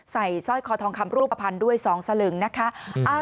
ใส่สร้อยคอทองคำรูปประพันธ์ด้วย๒สลึงนะคะ